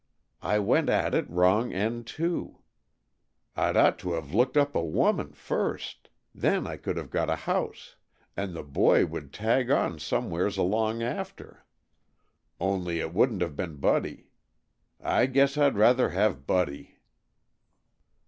I went at it wrong end to. I'd ought to have looked up a woman first. Then I could have got a house. And the boy would tag on somewheres along after. Only it wouldn't have been Buddy. I guess I'd rather have Buddy."